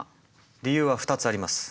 理由は２つあります。